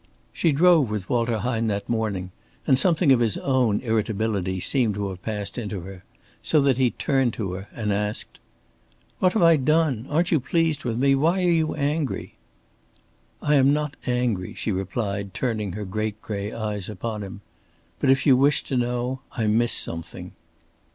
She drove with Walter Hine that morning, and something of his own irritability seemed to have passed into her; so that he turned to her and asked: "What have I done? Aren't you pleased with me? Why are you angry?" "I am not angry," she replied, turning her great gray eyes upon him. "But if you wish to know, I miss something."